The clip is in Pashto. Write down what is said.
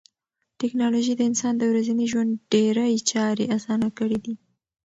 ټکنالوژي د انسان د ورځني ژوند ډېری چارې اسانه کړې دي.